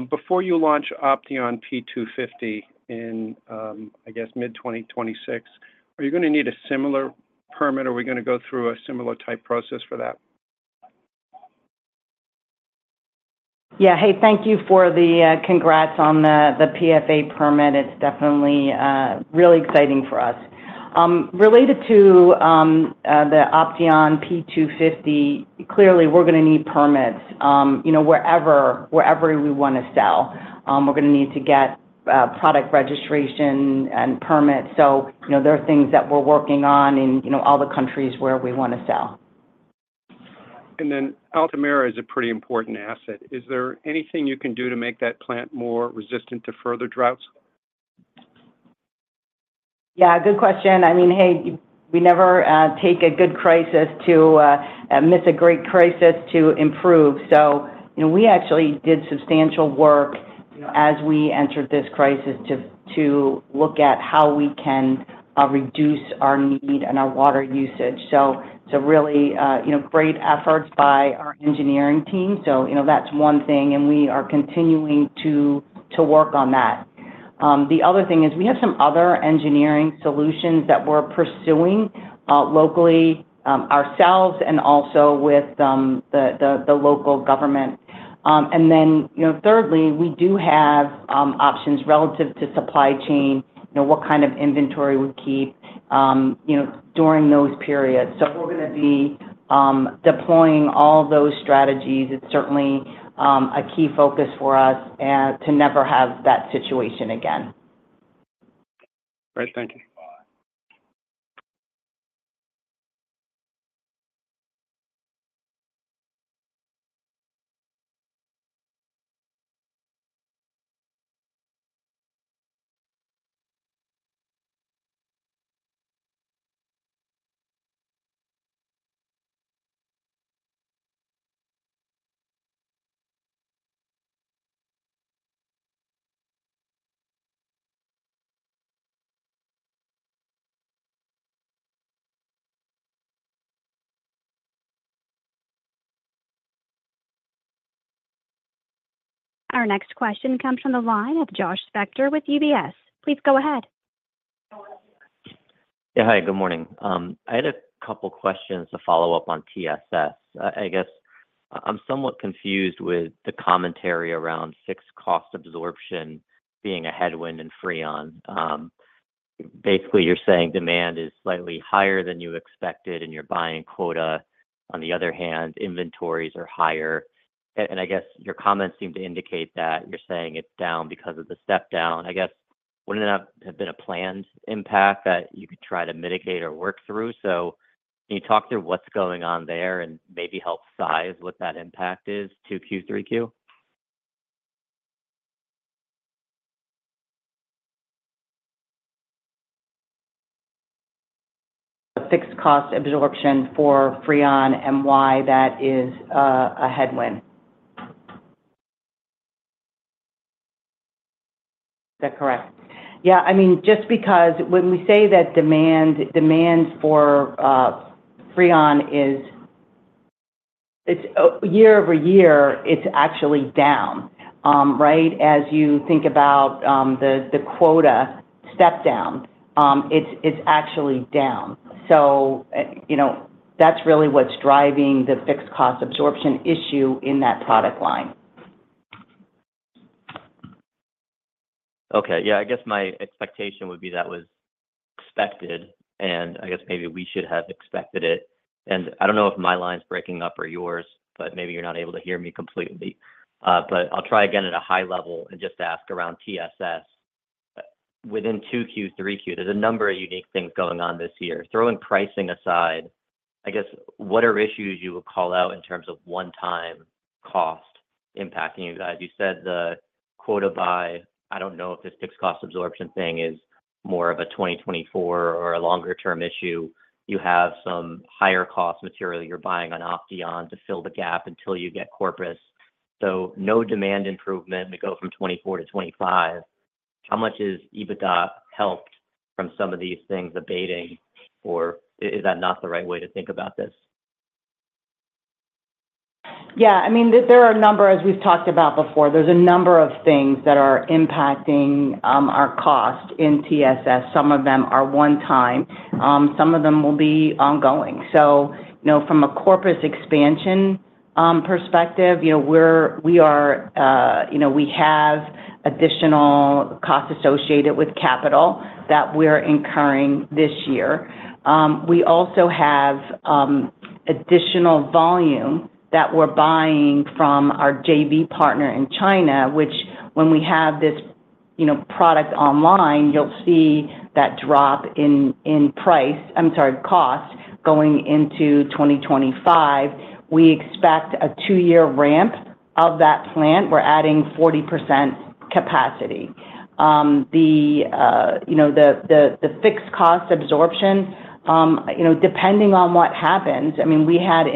Speaker 7: Before you launch Opteon 2P50 in, I guess, mid-2026, are you gonna need a similar permit? Are we gonna go through a similar type process for that?
Speaker 3: Yeah. Hey, thank you for the congrats on the PFA permit. It's definitely really exciting for us. Related to the Opteon 2P50, clearly, we're gonna need permits, you know, wherever we wanna sell. We're gonna need to get product registration and permits. So, you know, there are things that we're working on in all the countries where we wanna sell.
Speaker 7: Altamira is a pretty important asset. Is there anything you can do to make that plant more resistant to further droughts?
Speaker 3: Yeah, good question. I mean, hey, we never take a good crisis to miss a great crisis to improve. So, you know, we actually did substantial work, you know, as we entered this crisis, to look at how we can reduce our need and our water usage. So really, you know, great efforts by our engineering team. So, you know, that's one thing, and we are continuing to work on that. The other thing is, we have some other engineering solutions that we're pursuing locally, ourselves and also with the local government. And then, you know, thirdly, we do have options relative to supply chain. You know, what kind of inventory we keep, you know, during those periods. So we're gonna be deploying all those strategies. It's certainly a key focus for us to never have that situation again.
Speaker 7: Great. Thank you.
Speaker 1: Our next question comes from the line of Josh Spector with UBS. Please go ahead.
Speaker 8: Yeah, hi, good morning. I had a couple questions to follow up on TSS. I guess I'm somewhat confused with the commentary around fixed cost absorption being a headwind in Freon. Basically, you're saying demand is slightly higher than you expected, and you're buying quota. On the other hand, inventories are higher. And I guess your comments seem to indicate that you're saying it's down because of the step down. I guess, wouldn't that have been a planned impact that you could try to mitigate or work through? So can you talk through what's going on there and maybe help size what that impact is to Q3?
Speaker 3: Fixed cost absorption for Freon and why that is a headwind. Is that correct? Yeah, I mean, just because when we say that demand for Freon is, it's year-over-year, it's actually down. Right? As you think about the quota step down, it's actually down. So you know, that's really what's driving the fixed cost absorption issue in that product line.
Speaker 8: Okay, yeah. I guess my expectation would be that was expected, and I guess maybe we should have expected it. And I don't know if my line's breaking up or yours, but maybe you're not able to hear me completely. But I'll try again at a high level and just ask around TSS. Within 2Q, 3Q, there's a number of unique things going on this year. Throwing pricing aside, I guess, what are issues you would call out in terms of one-time cost impacting you guys? You said the quota by, I don't know if this fixed cost absorption thing is more of a 2024 or a longer-term issue. You have some higher cost material you're buying on Opteon to fill the gap until you get Corpus. So no demand improvement to go from 2024 to 2025. How much is EBITDA helped from some of these things abating, or is that not the right way to think about this?
Speaker 3: Yeah, I mean, there are a number, as we've talked about before, there's a number of things that are impacting our cost in TSS. Some of them are one time, some of them will be ongoing. So, you know, from a Corpus expansion perspective, you know, we are, you know, we have additional costs associated with capital that we're incurring this year. We also have additional volume that we're buying from our JV partner in China, which when we have this, you know, product online, you'll see that drop in, in price, I'm sorry, cost, going into 2025. We expect a two-year ramp of that plant. We're adding 40% capacity. You know, the fixed cost absorption, you know, depending on what happens, I mean, we have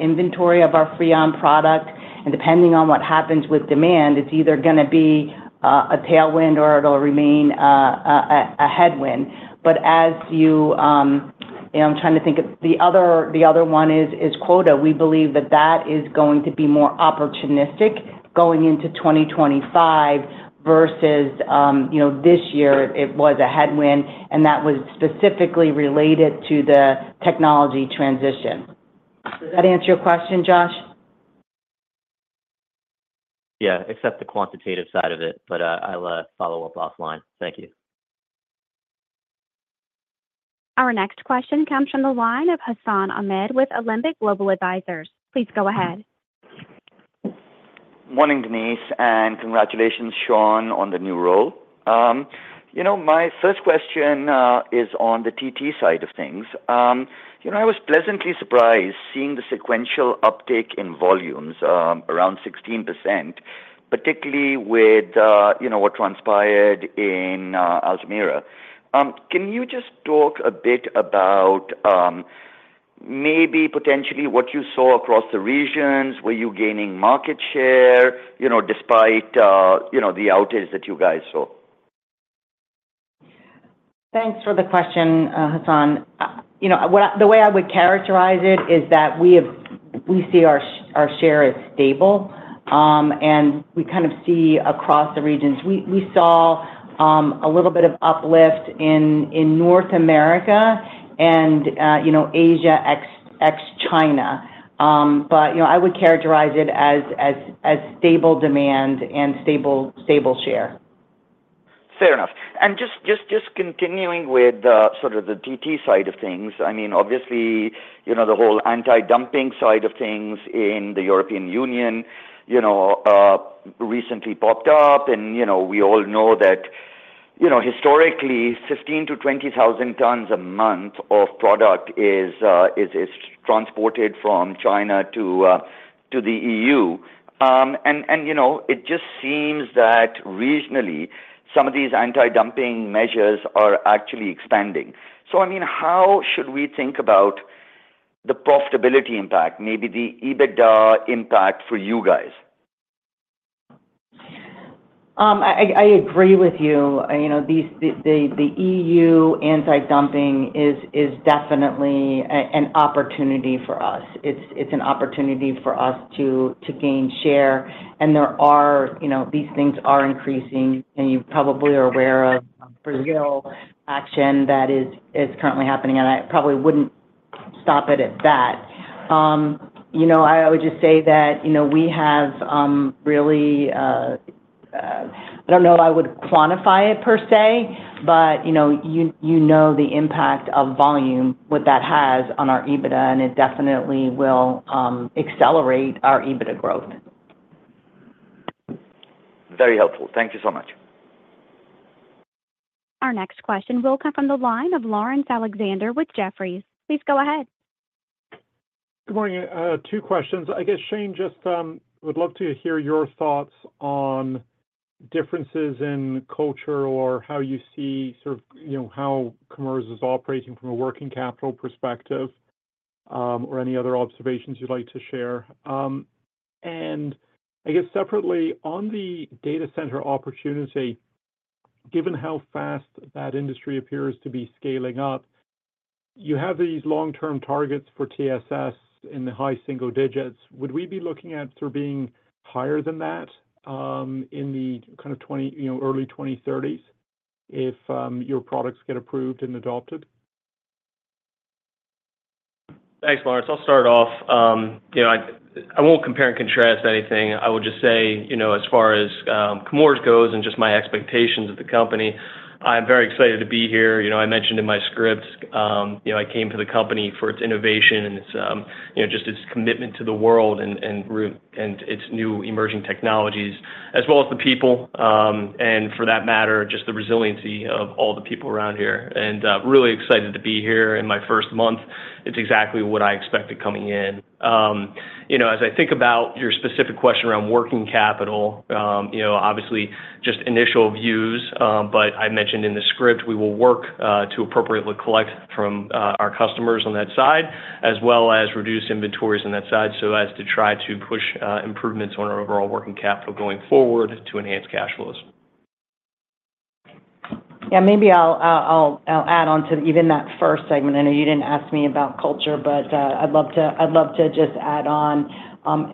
Speaker 3: inventory of our Freon product, and depending on what happens with demand, it's either gonna be a tailwind or it'll remain a headwind. But as you, I'm trying to think of the other one is quota. We believe that that is going to be more opportunistic going into 2025 versus, you know, this year it was a headwind, and that was specifically related to the technology transition. Does that answer your question, Josh?
Speaker 8: Yeah, except the quantitative side of it, but I'll follow up offline. Thank you.
Speaker 1: Our next question comes from the line of Hassan Ahmed with Alembic Global Advisors. Please go ahead.
Speaker 9: Morning, Denise, and congratulations, Shane, on the new role. You know, my first question is on the TT side of things. You know, I was pleasantly surprised seeing the sequential uptake in volumes around 16%, particularly with, you know, what transpired in Altamira. Can you just talk a bit about maybe potentially what you saw across the regions? Were you gaining market share, you know, despite the outage that you guys saw?
Speaker 3: Thanks for the question, Hassan. You know, the way I would characterize it is that we see our share as stable, and we kind of see across the regions. We saw a little bit of uplift in North America and, you know, Asia ex-China. But, you know, I would characterize it as stable demand and stable share.
Speaker 9: Fair enough. And just continuing with the sort of the TT side of things, I mean, obviously, you know, the whole anti-dumping side of things in the European Union, you know, recently popped up and, you know, we all know that, you know, historically, 15,000-20,000 tons a month of product is transported from China to the EU. And, you know, it just seems that regionally, some of these anti-dumping measures are actually expanding. So, I mean, how should we think about the profitability impact, maybe the EBITDA impact for you guys?
Speaker 3: I agree with you. You know, these, the EU anti-dumping is definitely an opportunity for us. It's an opportunity for us to gain share, and there are, you know, these things are increasing, and you probably are aware of Brazil action that is currently happening. And I probably wouldn't stop it at that. You know, I would just say that, you know, we have really, I don't know if I would quantify it per se, but, you know, you know the impact of volume, what that has on our EBITDA, and it definitely will accelerate our EBITDA growth.
Speaker 9: Very helpful. Thank you so much.
Speaker 1: Our next question will come from the line of Laurence Alexander with Jefferies. Please go ahead.
Speaker 10: Good morning. Two questions. I guess, Shane, just would love to hear your thoughts on differences in culture or how you see sort of, you know, how Chemours is operating from a working capital perspective, or any other observations you'd like to share. And I guess separately, on the data center opportunity, given how fast that industry appears to be scaling up, you have these long-term targets for TSS in the high single digits. Would we be looking at sort of being higher than that, in the kind of 20, you know, early 2030s if your products get approved and adopted?
Speaker 4: Thanks, Laurence. I'll start off. You know, I won't compare and contrast anything. I would just say, you know, as far as Chemours goes and just my expectations of the company, I'm very excited to be here. You know, I mentioned in my script, you know, I came to the company for its innovation and its, you know, just its commitment to the world and its new emerging technologies, as well as the people, and for that matter, just the resiliency of all the people around here. Really excited to be here in my first month. It's exactly what I expected coming in. You know, as I think about your specific question around working capital, you know, obviously, just initial views, but I mentioned in the script, we will work to appropriately collect from our customers on that side, as well as reduce inventories on that side, so as to try to push improvements on our overall working capital going forward to enhance cash flows.
Speaker 3: Yeah, maybe I'll add on to even that first segment. I know you didn't ask me about culture, but I'd love to just add on.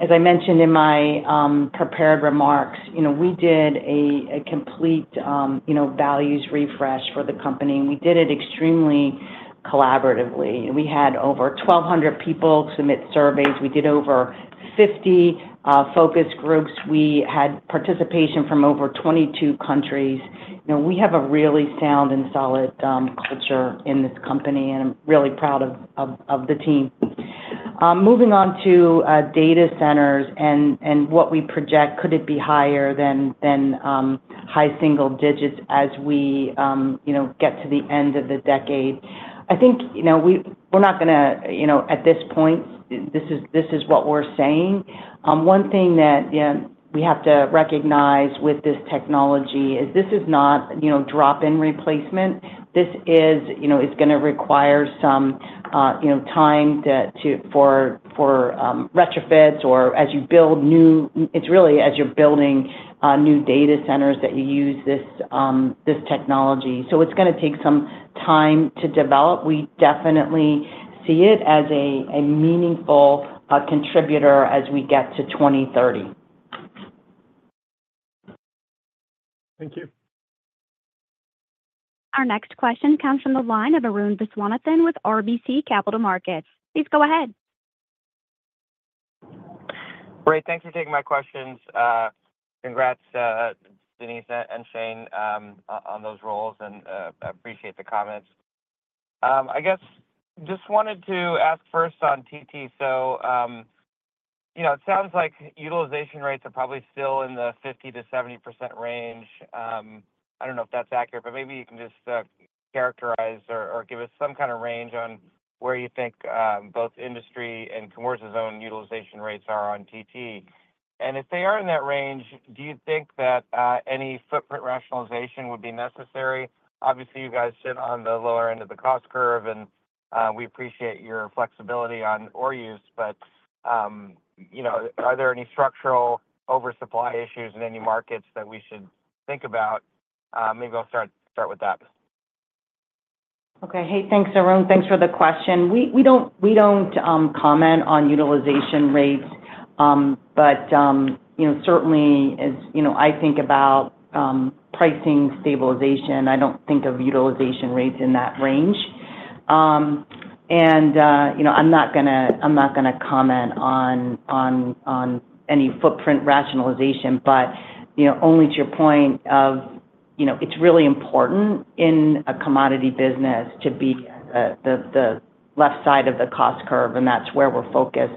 Speaker 3: As I mentioned in my prepared remarks, you know, we did a complete values refresh for the company, and we did it extremely collaboratively. We had over 1,200 people submit surveys. We did over 50 focus groups. We had participation from over 22 countries. You know, we have a really sound and solid culture in this company, and I'm really proud of the team. Moving on to data centers and what we project, could it be higher than high single digits as we get to the end of the decade? I think, you know, we're not gonna, you know, at this point, this is, this is what we're saying. One thing that we have to recognize with this technology is this is not, you know, drop-in replacement. This is, you know, it's gonna require some, you know, time to for retrofits or as you build new, it's really as you're building, new data centers that you use this, this technology. So it's gonna take some time to develop. We definitely see it as a meaningful contributor as we get to 2030.
Speaker 10: Thank you.
Speaker 1: Our next question comes from the line of Arun Viswanathan with RBC Capital Markets. Please go ahead.
Speaker 11: Great. Thanks for taking my questions. Congrats, Denise and Shane, on those roles, and I appreciate the comments. I guess, just wanted to ask first on TT. So, you know, it sounds like utilization rates are probably still in the 50%-70% range. I don't know if that's accurate, but maybe you can just characterize or give us some kind of range on where you think both industry and Chemours' own utilization rates are on TT. And if they are in that range, do you think that any footprint rationalization would be necessary? Obviously, you guys sit on the lower end of the cost curve, and we appreciate your flexibility on ore use, but you know, are there any structural oversupply issues in any markets that we should think about? Maybe I'll start with that.
Speaker 3: Okay. Hey, thanks, Arun. Thanks for the question. We don't comment on utilization rates, but you know, certainly, as you know, I think about pricing stabilization. I don't think of utilization rates in that range. And you know, I'm not gonna comment on any footprint rationalization, but you know, only to your point of, you know, it's really important in a commodity business to be at the left side of the cost curve, and that's where we're focused.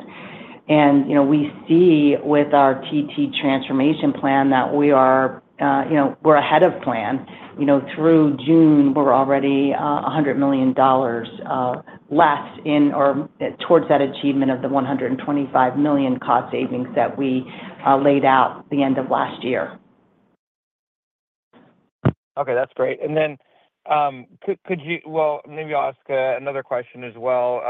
Speaker 3: And you know, we see with our TT transformation plan that we are, you know, we're ahead of plan. You know, through June, we're already $100 million less in or towards that achievement of the $125 million cost savings that we laid out at the end of last year.
Speaker 11: Okay, that's great. And then, could you, well, maybe I'll ask another question as well.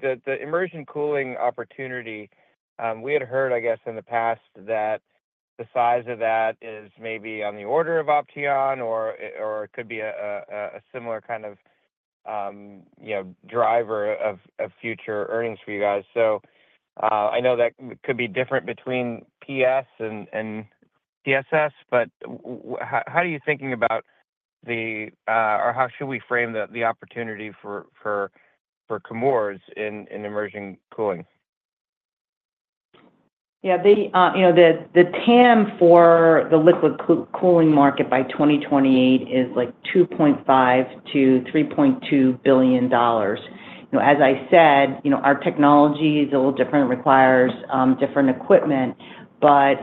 Speaker 11: The immersion cooling opportunity, we had heard, I guess, in the past, that the size of that is maybe on the order of Opteon or it could be a similar kind of, you know, driver of future earnings for you guys. So, I know that could be different between TT and TSS, but how are you thinking about the or how should we frame the opportunity for Chemours in immersion cooling?
Speaker 3: Yeah, you know, the TAM for the liquid cooling market by 2028 is like $2.5 billion-$3.2 billion. You know, as I said, you know, our technology is a little different, it requires different equipment, but,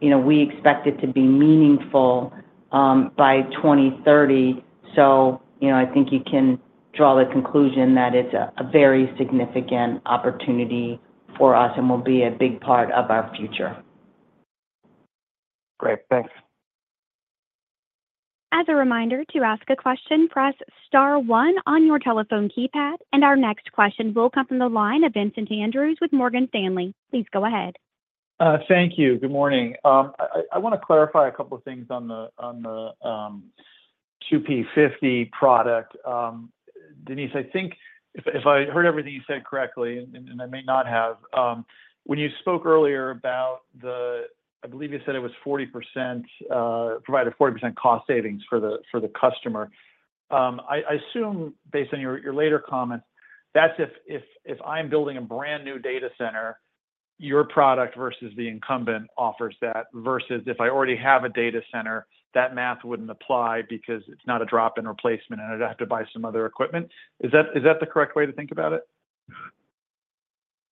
Speaker 3: you know, we expect it to be meaningful by 2030. So, you know, I think you can draw the conclusion that it's a very significant opportunity for us and will be a big part of our future.
Speaker 11: Great. Thanks.
Speaker 1: As a reminder, to ask a question, press star one on your telephone keypad. Our next question will come from the line of Vincent Andrews with Morgan Stanley. Please go ahead.
Speaker 12: Thank you. Good morning. I want to clarify a couple of things on the 2P50 product. Denise, I think if I heard everything you said correctly, and I may not have, when you spoke earlier about the, I believe you said it was 40%, provided 40% cost savings for the customer. I assume based on your later comments, that's if I'm building a brand-new data center, your product versus the incumbent offers that, versus if I already have a data center, that math wouldn't apply because it's not a drop-in replacement, and I'd have to buy some other equipment. Is that the correct way to think about it?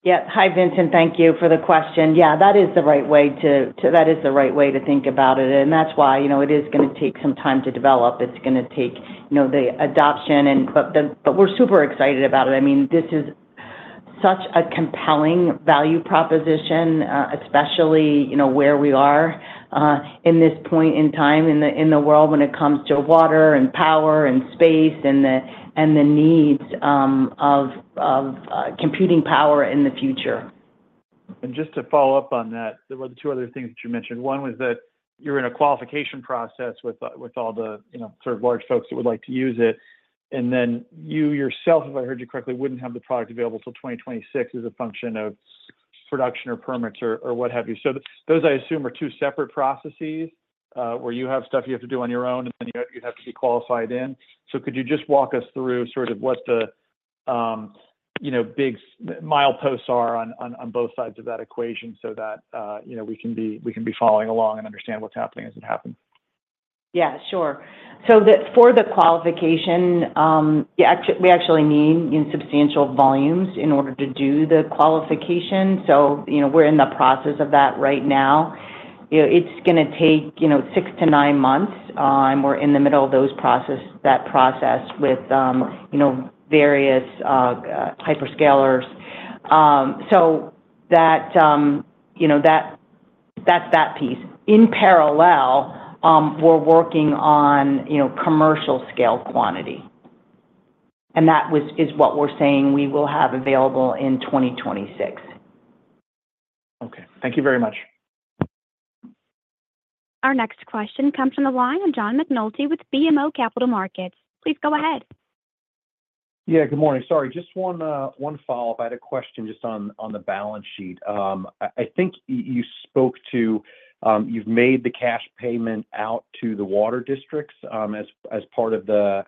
Speaker 3: Yeah. Hi, Vincent. Thank you for the question. Yeah, that is the right way to think about it, and that's why, you know, it is gonna take some time to develop. It's gonna take, you know, the adoption but we're super excited about it. I mean, this is such a compelling value proposition, especially, you know, where we are in this point in time in the world when it comes to water and power and space and the needs of computing power in the future.
Speaker 12: And just to follow up on that, there were two other things that you mentioned. One was that you're in a qualification process with all the, you know, sort of large folks that would like to use it. And then you yourself, if I heard you correctly, wouldn't have the product available till 2026 as a function of production or permits or what have you. So those, I assume, are two separate processes where you have stuff you have to do on your own, and then you have to be qualified in. So could you just walk us through sort of what the you know, big mileposts are on both sides of that equation so that you know, we can be following along and understand what's happening as it happens?
Speaker 3: Yeah, sure. So, for the qualification, actually we need in substantial volumes in order to do the qualification. So, you know, we're in the process of that right now. You know, it's gonna take, you know, 6-9 months, we're in the middle of that process with, you know, various hyperscalers. So that, you know, that's that piece. In parallel, we're working on, you know, commercial scale quantity, and that is what we're saying we will have available in 2026.
Speaker 12: Okay. Thank you very much.
Speaker 1: Our next question comes from the line of John McNulty with BMO Capital Markets. Please go ahead.
Speaker 5: Yeah, good morning. Sorry, just one follow-up. I had a question just on the balance sheet. I think you spoke to, you've made the cash payment out to the water districts, as part of the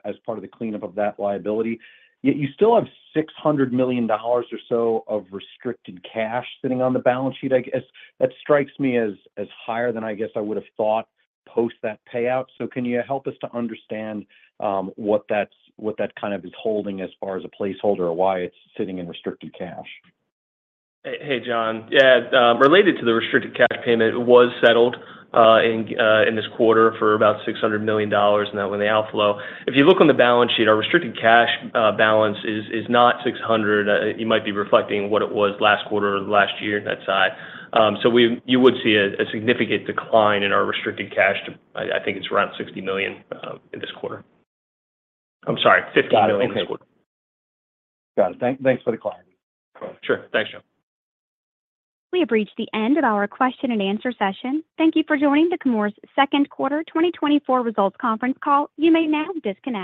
Speaker 5: cleanup of that liability, yet you still have $600 million or so of restricted cash sitting on the balance sheet. I guess that strikes me as higher than I guess I would have thought post that payout. So can you help us to understand what that's holding as far as a placeholder, or why it's sitting in restricted cash?
Speaker 4: Hey, hey, John. Yeah, related to the restricted cash payment, it was settled in this quarter for about $600 million, and that went in the outflow. If you look on the balance sheet, our restricted cash balance is not $600 million. You might be reflecting what it was last quarter or last year, that side. So you would see a significant decline in our restricted cash, I think it's around $60 million in this quarter. I'm sorry, $50 million.
Speaker 5: Got it. Okay.
Speaker 4: Sure.
Speaker 5: Got it. Thanks for the clarity.
Speaker 4: Sure. Thanks, John.
Speaker 1: We have reached the end of our question and answer session. Thank you for joining the Chemours Second Quarter 2024 Results Conference Call. You may now disconnect.